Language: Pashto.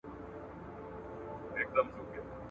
په کونړ کې د ځنګلونو وهل باید په جدي ډول ودرول شي.